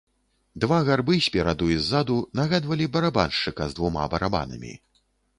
Два гарбы спераду і ззаду нагадвалі барабаншчыка з двума барабанамі.